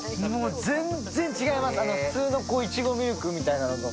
全然違います、普通のいちごミルクのとは。